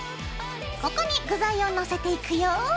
ここに具材を載せていくよ。